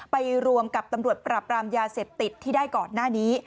ไปรวมกับตำรวจปราบรามยาเสพติดที่ได้ก่อนหน้านี้